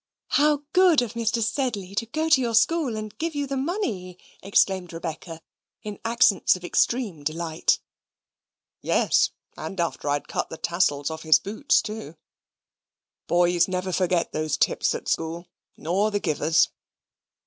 "How good of Mr. Sedley to go to your school and give you the money!" exclaimed Rebecca, in accents of extreme delight. "Yes, and after I had cut the tassels of his boots too. Boys never forget those tips at school, nor the givers."